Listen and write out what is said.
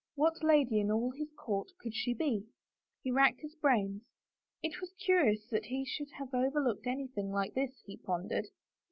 What lady in all his court could she be ? He racked his brains. It was curious that he should have overlooked anything like this, he pondered.